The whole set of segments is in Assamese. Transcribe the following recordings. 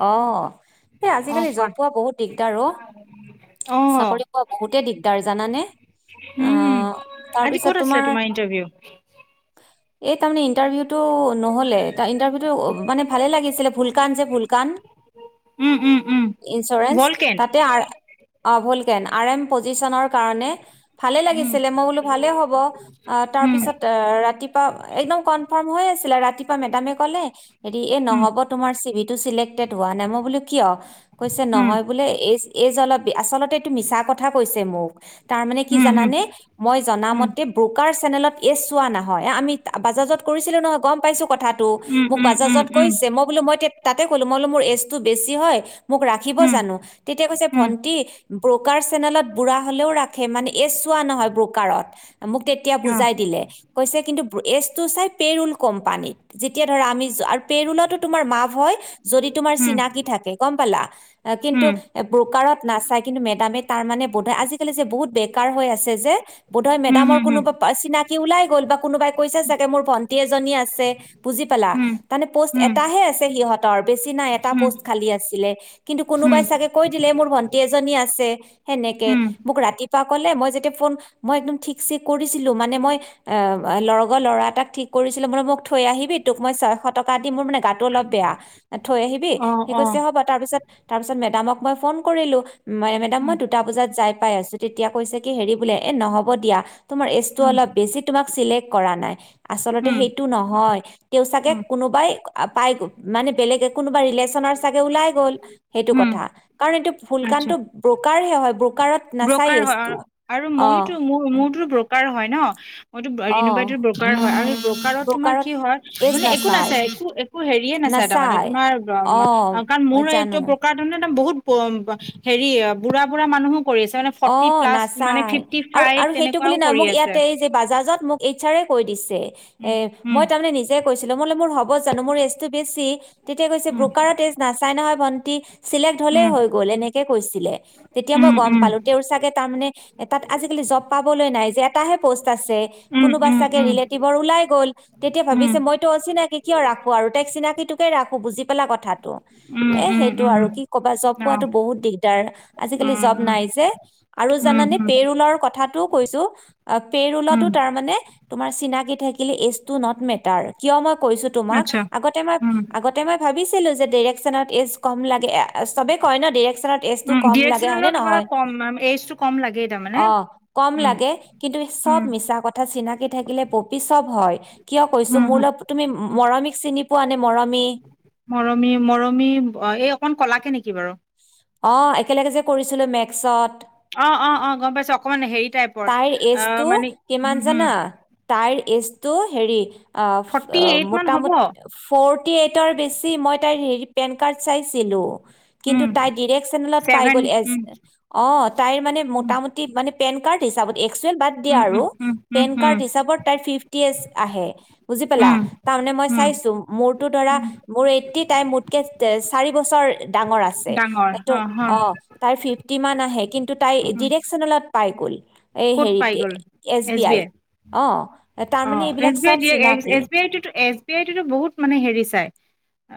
অ, এই আজিকালি কোৱা জব পোৱা বহুত দিগদাৰ অ। অ চাকৰি পোৱা বহুতেই দিগদাৰ জানানে, উম অহ' আজি তাৰপিছত ক'ত আছিলে তোমাৰ ইণ্টাৰভিউ এই তাৰমানে ইণ্টাৰভিউটো নহ'লে তাৰ ইণ্টাৰভিউটো মানে ভালে লাগিছিলে ভুলকাৰনে গান, উম উম উম ইঞ্চুৰেঞ্চ ভলকেন তাতে আ ভল আৰাম পজিচনৰ কাৰণে ভালে উম লাগিছিলে, মই বোলো ভালে হ'ব। অ' উম তাৰপিছত ৰাতিপুৱা একদম কনফৰ্ম হৈ আছিলে ৰাতিপুৱা মেডামে কলে হেৰি এ নহ'ব তোমাৰ চিভিত টো চিলেক্টেড হোৱা নাই মই বুলি কিয়? কৈছে উম নহয় বোলে, এই এই জাল আচলতে এইটো মিছা কথা কৈছ চে মোক। তাৰ মানে কি উম উম জানানে, মই জনা উম মতে ব্ৰকাৰচ চেনেলত এ চোৱা নহয়, আমি বাজাজত কৰিছিলো নহয় গম পাইছো কথাটো, মোক উম উম উম বাজাজত কৈছে মই বোলো মই কলো মই বোলো মোৰ এজ টো বেছি হয় মোক ৰাখিব উম জানো, তেতিয়া কৈছে উম উম ভন্টি ব্ৰকাৰ চেনেলত বুঢ়া হলেও ৰাখে মানে এইজ চোৱা নহয় ব্ৰকাৰত মোক তেতিয়া উম অ উম বুজাই দিলে, কৈছে কিন্তু এজটো চাই পেৰুল কোম্পানীত, যেতিয়া ধৰা আমি য আৰু পেৰুলতো তোমাৰ মাফ হয় যদি তোমাৰ চিনাকি থাকে গম পালা। কিন্তু উম এ ব্ৰকাৰত নাচায়। কিন্তু মেডামে তাৰ মানে বধয় আজিকালি যে বহুত বেকাৰ হৈ আছে যে বোধয় মেডামৰ উম কোনোবা পা চিনাকি কি ওলাই গল বা কোনোবাই কৈছে চাগে মোৰ ভন্টি এজনী আছে বুজি পালা, হুম তাৰমানে প'ষ্ট হুম এটাহে আছে সিহঁত ৰ বেছি নাই এটা উম উম উম প'ষ্ট খালী আছিলে। কিন্তু উম কোনোবাই চাগে কৈ দিলে মোৰ ভন্টি এজনী আছে, সেনেকে উম মোক ৰাতিপুৱা কলে মই যেতিয়া ফোন, মই একদম ঠিক চিক কৰিছিলো মানে মই অ লগৰ ল'ৰা এটাক ঠিক কৰিছিলো মান মোক থৈ আহিবি তোক মই ছয়শ টকা দিম মোৰ মানে গাতটো অলপ বেয়া। থৈ আহিবি অ সেই অ কৈছে হ'ব তাৰপিছত তাৰপিছত মেডামক মই ফন কৰিলো মেডাম মই উম দুটা বজাত যাই পাই আছো তেতিয়া কৈছে কি হেৰি বোলে এ নহ'ব দিয়া তোমাৰ এজটো উম অলপ বেছি তোমাক চিলেক কৰা নাই আচলতে উম সেইটো নহয় তেওঁ চাগে উম কোনোবাই পাই গ'ল মানে বেলেগ কোনোবা ৰিলেশ্বনৰ চাগে ওলাই গল সেইটো উম কথা কাৰণ এটো আচ্ছা ফুলকানটো ব্ৰকাৰহে হয় ব্ৰ'কাৰত নাচায়ে ব্ৰকাৰ হয় এইজটো অহ। নহ, মইতো ৰিণু বাইদৰ ব্ৰকাৰ হয় আৰু সেই ব্ৰকাৰত তোমাৰ কি হয় এজ মানে একো নাচায় নাচাই একো -একো হেৰিয়ে নাচাই তাৰমানে নাচায় তোমাৰ অ কাৰণ মই মোৰ এইটো জানো ব্ৰকাৰ তাৰমানে ত বহুত [unintelligible] হেৰি বুঢ়া- বুঢ়া মানুহক অহ, নাচাই আৰু ফাইভ -আৰু সেইটো তেনেকুৱাও বুলি নাই কৰি মোক আছে ইয়াতে এই যে বাজাজত মোক এইজচাৰে কৈ দিছ এ উম মই তাৰ মানে নিজে কৈছিলে মই বোলো মোৰ হব জানো মোৰ এইজটোত বেছি তেতিয়া কৈছে উম ব্ৰকাৰত এইজ নাচাই নহয়। ভন্টি। চিলেক্ট হলেই উম হৈ গল এনেকে কৈছিলে। তেতিয়া উম মই গম পালো। তাৰ মানে তাত আজিকালি জব পাবলৈ নাই যে এটাহে পষ্ট আছে উম কোনোবাৰ উম চাগে উম ৰিলেটিভৰ ওলাই গ'ল তেতিয়া উম ভাবিছে মইতো অচিনাকি কিয় ৰাখো আৰু তাইক চিনাকিটোকে ৰাখো বুজি পালা কথাটো উম উম এ উম সেইটো উম আৰু উম কি ক'বা জব অ পোৱাতো বহুত দিগদাৰ আজিকালি উম জব উম নাই যে। আৰু উম জানানে উম পেৰুলৰ কথাটো কৈছো পেৰুলতো উম তাৰ মানে তোমাৰ চিনাকি থাকিলে এইজ টু নট মেটাৰ কিয় মই কৈছো তোমাক আচ্ছা আগতে মই- উম আগতে মই ভাবিছো ছিলো যে ডেৰেকশ্বনত এইজ কম লাগে [inaudible] চবে কয় ন ডেৰেক উম, ডিৰেকশ্বনৰ লগত কিবা কম এইজটো কম লাগেই তাৰমানে অহ, কম উম, লাগে কিন্তু উম, চব মিছা কথা চিনাকি থাকিলে পপি চব হয়। কিয় কৈছো উম, মোৰ লগ তুমি উম, মৰমিক চিনি পোৱা নে? মৰমি। মৰমি -মৰমি এই অকন কলাকে নেকি? কি বাৰু। অহ, একেলগে যে কৰিছিলো মেক অ-অ-অ গম পাইছো। অকমান হেৰী তাইৰ এজটো কিমান উম, জানা তাইৰ এইজ তো হেৰি অফ ফৰ্টি অ এইট মান হ'ব মোটামুটি ফৰটি এইটৰ বেছি মই তাইৰ হেৰি পেন কাৰ্ড চাইছিলো। কিন্তু উম, তাই ডিৰেক্ চেনেলত পাই ছেভেন গ'ল এ। উম, অ তাইৰ মানে উম, মোটামুটি মানে পেন টো হিচাপত এক্সুৱেল বাদ দিয়া আৰু। উম, উম, উম, পেন উম, কাৰ্ড হিচাপত তাই ফিফটি আছ আহে, বুজি পালা? উম, উম, তাৰমানে মই উম, চাইছো মোৰতো ধৰা উম, মোৰ এইটি, তাই মোতকে চাৰি বছৰ ডাঙৰ আছে। ত অ তাই ফিফটি মান আহে। টো তাই উম, ডিৰেকশ্যনলত পাই গ'ল। এই ক'ত পাই হেৰিতে গ'ল এছ বি আই, অ। অ তাৰমানে এছ এইবিলাক বি আই চব দিয়ে। চিনাকি এছ বি আই টোতো এছ বি আই টোতো বহুত মানে হেৰি চাই।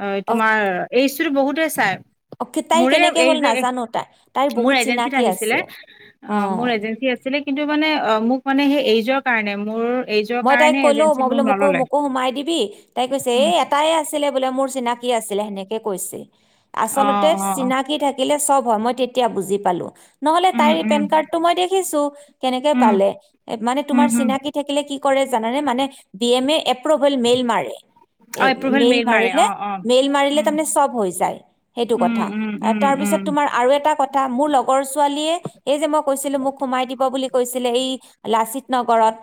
অ, তোমাৰ এই কিন্তু বহুতে চায়। অ- তাই মোৰেই কেনেকে এই হ'ল যে নাজানো তাই তাইৰ মোৰ বহুত এজেঞ্চীত চিনাকি আছে আহিছিলে, অ মোৰ এজেন্সী আছিলে। কিন্তু কি মানে এই মোক মানে তেওঁ কাৰণে মোৰ এইজৰ মই তাইক কাৰণে কলো এজেঞ্চিত মই মোক বোলো মোকো, নল'লে। মোকো সোমাই দিবি। তাই কৈছে এ উম, এটাই আছিলে। বোলে মোৰ চিনাকি আছিলে, সেনেকে কৈছে। আচলতে অ', অ', অ', চিনাকি থাকিলে চব মই তেতিয়া বুজি পালো। নহলে উম, তাইৰ উম, পেন কাৰ্ডটো মই দেখিছো। কেনেকে উম, পালে? মানে উম, তোমাৰ উম, চিনাকি থাকিলে কি কৰে জানেনে মানে B M A approval mail মাৰে। এ অ' এপ্ৰুভেল মেইল মাৰে মাৰিলে, অ', অ'। মেইল মাৰিলে উম, তাৰমানে চব হৈ যায়। সেইটো উম, কথা। উম, উম, উম, তাৰপিছত তোমাৰ আৰু এটা কথ এটা মোৰ লগৰ ছোৱালীয়ে এই যে মই কৈছিলো মোক সোমাই দিব বুলি কৈছিলে এই লাচিত নগৰত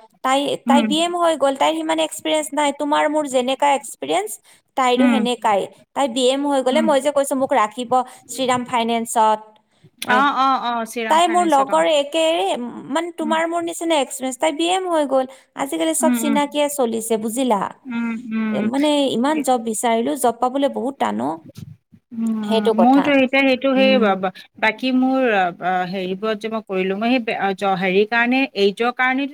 তাই তাই উম, বি এম হৈ গ'ল। তাইৰ সিমান এক্সপিৰিয়েঞ্চ নাই। তোমাৰ মোৰ যেনেকা এক্সপিৰিয়েন্ঞ্চ, তাইৰো উম, সেনেকাই। তাই বি এম হৈ গলে উম, মই যে কৈছো মোক ৰাখিব শ্ৰীৰাম ফাইনেন্সত। এ অ', অ', অ' শ্ৰীৰাম তাই মোৰ ফাইনেন্সত অ', লগৰে একেৰে মানে উম, তোমাৰ মোৰ নিচিনা এক্সপিৰিয়েঞ্চ তাই বিএম হৈ গ'ল। আজিকালি চব উম, উম, চিনাকিয়ে চলিছে বুজিলা। উম, উম। মানে ইমান উম। জব বিচাৰিলো জব অ বোলে বহুত টান উম, কথা। মোৰতো এতিয়া সেইটো সেই উম, ব বাকী মোৰ হেৰিবোৰত যে মই কৰিলো, মই সেই হেৰি কাৰণে এইজৰ কাৰণে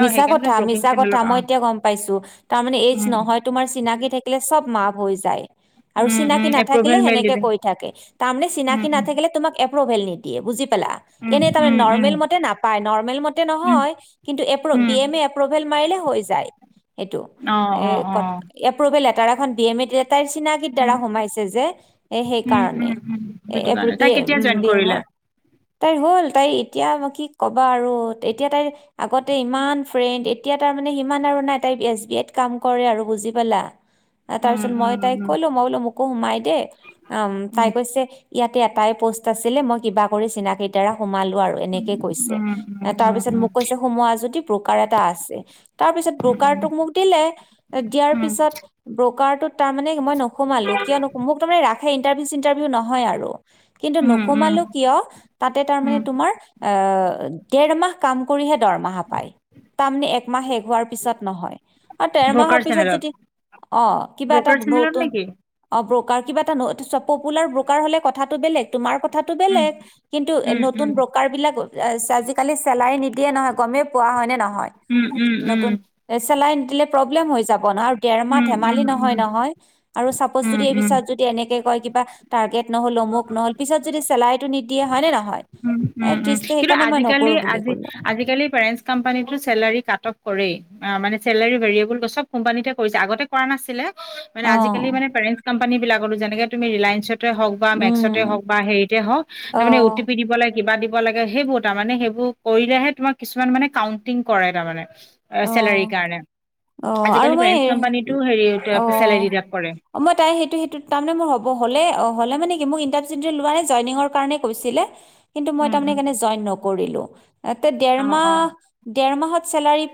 মিছা কথা, মিছা কথা। অ মই এতিয়া গম পাইছো। তাৰ মানে এইজ উম, নহয়, তোমাৰ চিনাকি থাকিলে চব মাফ। হৈ যায়। আৰু উম, উম, চিনাকি এপ্ৰভেল নাথাকিলে মেইল সেনেকে দিলে কৈ থাকে। তাৰ মানে উম, চিনাকি উম, নাথাকিলে তোমাক এপ্ৰভেল নিদিয়ে। বুজি পেলা উম, এনেই তাৰমানে উম, উম, নৰ্মেল মতে নাপায়। নৰ্মেল মতে উম, নহয় এপ্ৰু উম, বিএমএ এপ্ৰুভেল মাৰিলে হৈ যায়। এইটো অ', অ', কথা অ', এপ্ৰুভেল লেটাৰাখন বি এম এ দিয়াতকৈ তাইৰ চিনাকীৰ উম, দ্বাৰা সোমাইছে যে। এ সেই উম, কাৰণে উম, উম, এ সেইটো এইবোৰ কাৰণে বি তাই কেতিয়া উম জইন বি কৰিলে? এমৰ তাইৰ হ'ল তাই এতিয়া মই কি কবা আৰু এতিয়া তাইৰ আগতে ইমান ফ্ৰেণ্ড এতিয়া তাৰ মানে সিমান আৰু নাই তাই এছ বি আইত কাম কৰে আৰু বুজি পালা। তাৰ উম, পিছত মই উম, তাইক উম, কলো মই বোলো মোকো সোমাই দে অ তাই উম, কৈছে ইয়াতে এটাই প'ষ্ট আছিলে মই কিবা কৰি চিনাকিৰ দ্বাৰা সোমালো আৰু এনেকে উম, কৈছে উম, উম, উম, তাৰপিছত উম, মোক কৈছে সোমোৱা যদি। প্ৰকাৰ এটা আছে তাৰ পিছত ব্ৰকাৰটোক মোক দিলে দিয়াৰ উম, পিছত ব্ৰ'কাৰটোত তাৰ মানে মই নোসোমালো কিয় নোসোমালো মোক মানে ৰাখেই ইনাৰভিউ চিনটাৰভিউ নহয় আৰু কিন্তু উম, উম, নোসোমালো কিয় তাতে তাৰমানে উম, তোমাৰ এ এ ডেৰমাহ কাম কাম কৰিহে দৰমহা পায় তাৰ মানে একমাহ শেষ হোৱাৰ পিছত নহয়। অঁ ডেৰ মাহৰ ব্ৰকাৰ পিছত চেনেলত যদি অ' কিবা এটা ব্ৰকাৰ চেনেলত নতুন নেকি? অ' ব্ৰকাৰ কিবা এটা পপুলাৰ ব্ৰ'কাৰ হ'লে কথাটো বেলেগ। তোমাৰ কথাটো উম, বেলেগ কিন্তু এ উম, নতুন উম, ব্ৰকাৰ বিলাকক আজিকালি চেলাই নিদ দিয়ে নহয় গমে পোৱা হয় নে নহয় উম, উম, নতুন উম, চেলাইন দিলে প্ৰব্লেম হৈ যাব আৰু তেৰমাহ উম, উম, ধেমালি নহয় উম। নহয় আৰু পচ উম, যদি এবিছ উম, যদি এনে কয় কিবা টাৰ্গেত নহ'ল অমুক নহ'ল পিছত যদি চেলাৰীটো নিদিয়ে হয় নে নহয়? উম এ উম উম ত্ৰিছটা কিন্তু সেইকাৰণে মই আজিকালি নকৰো বুলি আজি ক'লো আজিকালি ফৰেঞ্চ কোম্পানীত মানে চেলাৰী কাটঅফ কৰেই চেলাৰি ভেৰিয়েবল কৰি আগতে কৰা নাছিলে। মানে অ', আজিকালি মানে কাৰেন্ট কান বিলাকত যেনেকে ৰেলাইন্স হওক বা মেক্সতে উম হওক বা হেৰিতে হওক অ', তাৰে কিবা দিব লাগে সেইবোৰ তাৰমানে সেইবোৰ কৰিলেহে তোমাক কিছুমান মানে কাউন্টিং কৰে তাৰমানানে। অ অ আৰু আজিকালি মই পেৰেন্টছ কোম্পানীতো হেৰি অ চেলাৰী বিলাক কৰে অ মই তাই সেইটো সেইটো তাৰমানে মোৰ হ'ব হ'লে অ। হলে মানে কি মোক ইণ্টাৰচিপ লোৱা নে জইঙৰ কাৰণে কৈছিলে কিন্তু মই উম, উম, তাৰমানেকাৰণনে জইন নকৰিলোঁ। হয়। এ দেৰ অ', মাহ অ', দেৰ মাহত চেলাৰী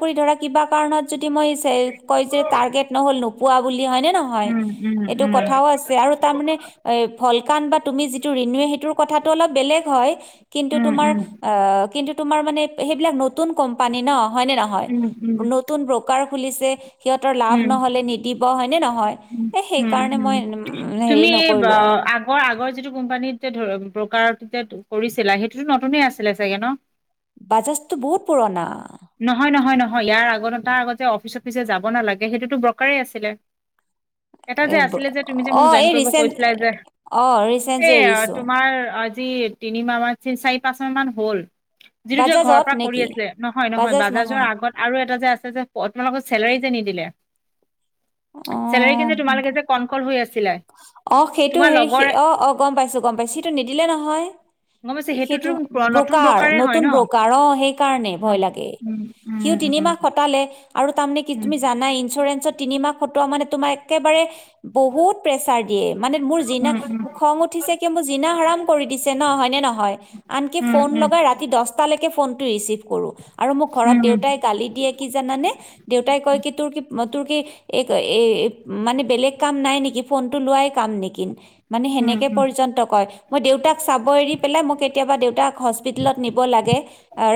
কৰি ধৰা কিবা কাৰণত যদি মই যে কয় যে টাৰ্গেট নহ'ল ন পোৱা বুলি হয় নে নহয় উম, উম, সেইটো উম। কথা আছে আৰু তাৰমানে ফলকান বা তুমি যিটো ৰিণোৱে সেইটোৰ কথাটো অলপ বেলেগ হয় কিন্তু উম তোমাৰ উম আ কিন্তু তোমাৰ মানে সেইবিলাক নতুন কোম্পানী ন হয়নে নহয় উম উম নতুন ব্ৰকাৰ খুলিছে সিহঁতৰ লাভ উম নহ'লে নিদিব হয়নে নহয় উম এ সেইকাৰণে হোম মই উম হেৰি তুমি আ নকৰিলো আগৰ আগৰ যিটো কোম্পানী ধ ব্ৰকাৰত যে কৰিছিলা সেইটোতো নতুনে আছিলে চাগে ন বাজাজটো বহুত পুৰণা নহয় নহয় নহয় ইয়াৰ আগ তাৰ আগত যে অফিচ অফিচ যাব নালাগে সেইটোতো ব্ৰকাৰে আছিলে এটা এ যে আছিলে যে তুমি যে অ মোক জইন এই কৰিব কৈছিলা ৰিচেণ্ট যে অ ৰিচেণ্ট এই যে আ, এৰিছো তোমাৰ আজি তিনি মাহ মান চাৰি পাঁচ মাহ মান হ'ল যিটো যে ঘৰৰ বাজাজত পৰা কৰি নেকি আছিলে নহ নহয় নহয় বাজাজৰ আগত আৰু এটা যে আছে যে তোমালোকক চেলাৰী যে নিদিলে [inaudible] অ চেলাৰী কিন্তু তোমালোকে যে কনকল হৈ আছিলা অ সেইটো তোমাৰ হেৰি লগৰ অ অ গম পাইছোঁ গম পাইছোঁ সেইটো নিদিলে নহয় গম পাইছে সেইটোতো সেইটো নতুন ব্ৰকাৰ ব্ৰকাৰে হয় নতুন ন ব্ৰকাৰ অ সেইকাৰণে অ ভয় লাগে উম উম সিও উম তিনিমাহ খটালে আৰু তামানে কি উম তুমি জানাই ইঞ্চুৰেঞ্চত তিনিমাহ খটোৱা মানে তোমাৰ একেবাৰে বহুত প্ৰেচাৰ দিয়ে মানে মোৰ যিনা উম খং উঠিছে কি মোৰ যিনা আৰাম কৰি দিছে ন হয় নে নহয় আনকি উম ফোন উম লগাই ৰাতি দচটালেকে ফোন ৰিচিভ কৰোঁ আৰু মোক ঘৰত উম উম দেউতাই গালি দিয়ে কি জানা নে দেউতাই কয় কি তোৰ কি তোৰ কি এই এই মানে বেলেগ কাম নাই নেকি ফোনটো লোৱাই কাম নেকি মানে উম সেনেকে পৰ্যন্ত কয় মই দেউতাক চাব এৰি পেলাই মোক কেতিয়াবা দেউতাক হস্পিতেলত নিব লাগে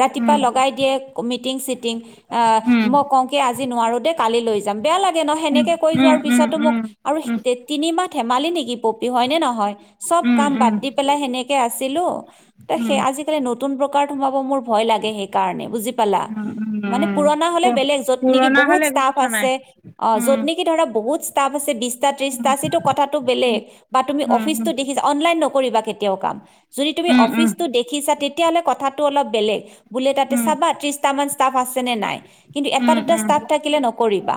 উম ৰাতিপুৱা লগাই দিয়ে মিটিং চিটিং আ উম মই কওঁ কি আজি নোৱাৰো দেই কালি লৈ যাম বেয়া লা ত সেনেকে কৈ উম উম উম যোৱাৰ উম উম উম পিছতো মোক আৰু উম তে তিনি মাহ ধেমালি নেকি পপি হয় নে নহয় চব কাম বাদ দি পেলাই সেনেকে আছে দিলো ত উম সেই আজিকালি নতুন ব্ৰ ব্ৰকাৰত সোমাব মোৰ ভয় লাগে সেইকাৰণে বুজি পালা, উম মানে উম পুৰণা প হলে বেলেগ য'ত নেকি পুৰণা বহুত হলে একো ষ্টাফ কথা নাই আছে অ উম য'ত নেকি ধৰা বহুত ষ্টাপ আছে বি বিছটা তিশটা উম আছে তেতিয়া কথাটো বেলেগ বা তুমি উম উম অফিচটো দেখিছা অনলাইন নকৰিবা কেতিয়াও কাম, যদি তুমি উম অফিচতো দেখিছা তেতিয়া হ'লে কথাটো অলপ বেলেগ বোলে তাতে উম চাবা ত্ৰিশটা মান টাফ আছে নে নাই কিন্তু এটা উম দুটা ষ্টাফ থাকিলে নকৰিবা।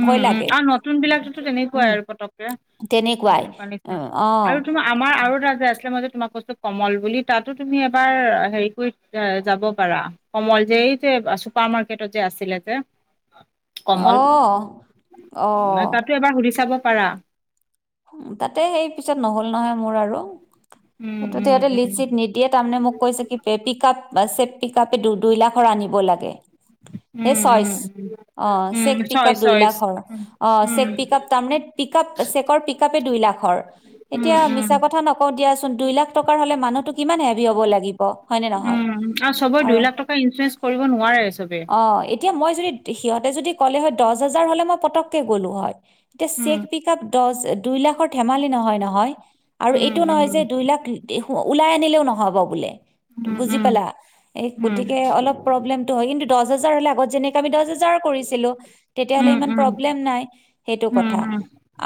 উম ভয় উম, লাগে আৰু নতুন বিলাকোতো তেনেকুৱাই উম আৰু পতককে, তেনেকুৱাই এনেকুৱা নিচিনা উম, অ আৰু তোমাৰ আমাৰ আৰু এটা আছে কিছুমান বস্তু কমল বুলি তাতো তুমি এবাৰ হেৰি যাব পাৰা, সময় যে চুপাৰ মাৰকেটত যে আছিলে যে অ। অ নাই তাতো এবাৰ সুধি চাব। পাৰা। তাতে সেই পিছত নহল নহয় মোৰ আৰু। উম সেইটোত উম সিহঁতে উম লিষ্ট চিট নিদিয়ে তাৰমানে মোক কৈছে কি পিক আপ, চে পিক আপে দু দুই লাখৰ আনিব লাগে। এ উম চইচ, উম অ উম চেক উম পিকআপ চইচ দুই চইচ লাখৰ উম অ চেক পিক আপ তাৰে চ হে দুই লাখৰ, উম উম এতিয়া মিছা উম কথা ন আচোন দুই লাখ টকা হ'লে মানুহটো কিমান হেভি হ'ব লাগিব হয় নে নহয়, উম চবৰে দুই আৰু, লাখ টকা ইঞ্চুৰেঞ্চ কৰিব নোৱাৰে চবে অ এতিয়া মই যদি সিহঁতে যদি ক'লে হয় দহ হাজাৰ হলে মই পতককে গলো হয়। এতিয়া উম চেক পিক আপ দচ দুই লাখ ধেমালি নহয় নহয়, আৰু উম এইটো নহয় যে উম দুই লাখ ওলাই আনিলেও নহ'ব বোলে। উম বুজি উম পালা, এ উম গতিকে অলপ প্ৰব্লেমটো হয় কিন্তু দচ হাজাৰ হলে আগত যেনেকে আমি দহ হাজাৰ কৰিছিলো, তেতিয়া হলে উম ইমান উম উম প্ৰব্লেম নাই সেইটো উম কথা,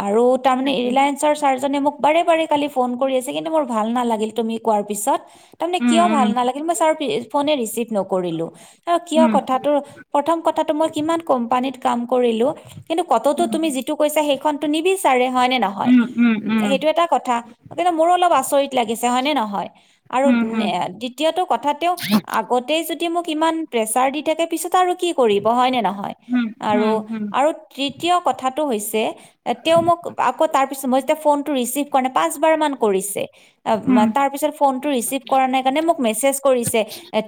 আৰু তাৰ মানে ৰিলায়েন্ঞ্চৰ চাৰ্জনে মোক বাৰে বাৰে কালি ফোন কৰি আছে কিন্তু মোৰ ভাল নালাগিল তুমি কোৱাৰ পিছত তাৰমানে কিয় উম ভাল নালাগিল মই ছাৰ ফোনে ৰিচিভ নকৰিলো। অ কিয় উম উম কথাটোৰ প্ৰথম কথাটো মই কিমান কোম্পানীত কাম কৰিলো, কিন্তু কততো উম তুমি যিটো কৈছা সেইখনটো নিবি তাৰে হয়নে ন হয়, উম উম উ উম সেইটো এটা কথা কিন্ত মোৰো অলপ আচৰিত লাগিছে হয় নে নহয়। আৰু হুম হুম দ্বিতীয়টো কথা তেওঁ আগতে যদি মোক ইমান প্ৰেছাৰ দি থাকে পিছত আৰু কি কৰিব হয় নে নহয়। হুম আৰু হুম হুম আৰু তৃতীয় কথাটো হৈছে আকৌ তাৰ পিছত মই যেতিয়া ফোন টো ৰিচিভ কৰা পাঁচবাৰ মান কৰিছে হুম তাৰ পিছত ফোন ৰিচিভ কৰা নাই কাৰণে মোক মেচেজ কৰিছে,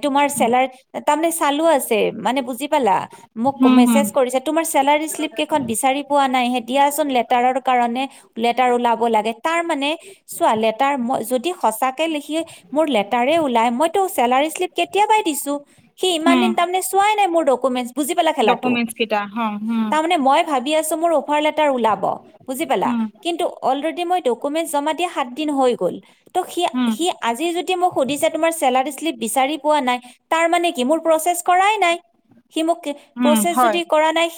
তোমাৰ চেলা তাৰ মানে চালু আছে মানে বুজি পালা মোক হুম হুম মেছেজ কৰিছে তোমাৰ চেলাৰী শ্লিপ কেইখন বিচাৰি পোৱা নাই সে দিয়াচোন লে টাৰৰ কাৰণে লেটাৰ ওলাব লাগে। তাৰ মানে চোৱা লেটাৰ মই যদি সঁচাকে লিখি মোৰ লেটাৰে ওলাই মইতো চেলাৰী শ্লিপ কেতিয়াাবাই দিছো সি ইমান হুম দিন তাৰমানে চোৱাই নাই মোৰ ডকুমেন্ট বুজি পালা খেলাটো ডকুমেন্টছ কেইটা হ হুম তাৰ মানে মই ভাবি আছো মোৰ অফাৰ ওলাব বুজি পালা হুম কিন্তু অলৰেদি মই ডকুমেণ্ট জমা দিয়া সাতদিন সৈ গ'ল। ত হুম সি আজি যদি মোক সুধিছে তোমাৰ ছেলাৰি শ্লীপ বিছাৰি পোৱা নাই, তাৰ মানে কি মোৰ প্ৰচেছ কৰাই নাই। সি মোক হুম প্ৰচেছ হয় যদি কৰা নাই